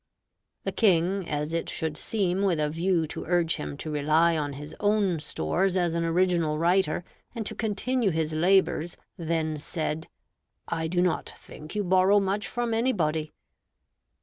The King, as it should seem with a view to urge him to rely on his own stores as an original writer, and to continue his labors, then said, "I do not think you borrow much from anybody."